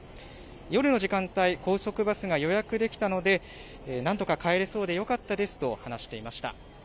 夜の時間帯、高速バスが予約できたので、なんとか帰れそうでよかったですと話していました。